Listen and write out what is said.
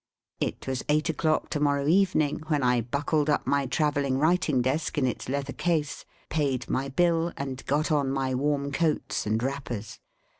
It was eight o'clock to morrow evening when I buckled up my travelling writing desk in its leather case, paid my Bill, and got on my warm coats and wrappers.